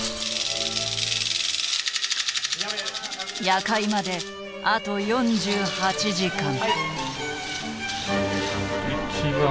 夜会まであと４８時間。